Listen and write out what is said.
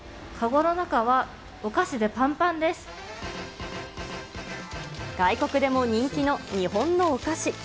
籠の中はお菓子でぱんぱんで外国でも人気の日本のお菓子。